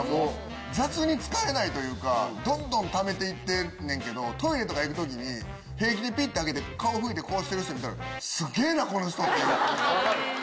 どんどんためて行ってんねんけどトイレとか行く時に平気でピッて開けて顔拭いてこうしてる人見たら「すっげぇな！この人」っていう。